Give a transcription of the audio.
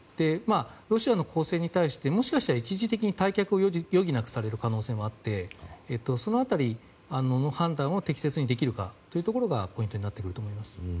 ロシアの攻勢に対してもしかして一時的に退却を余儀なくされる可能性もあってその辺りの判断が適切にできるかがポイントになってくると思います。